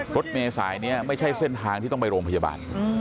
รถเมษายนี้ไม่ใช่เส้นทางที่ต้องไปโรงพยาบาล